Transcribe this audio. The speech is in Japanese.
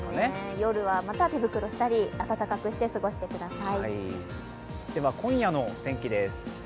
夜はまた手袋をしたり、暖かくして過ごしてください。